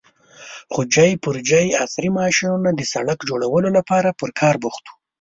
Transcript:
خو ځای پر ځای عصرې ماشينونه د سړک جوړولو لپاره په کار بوخت وو.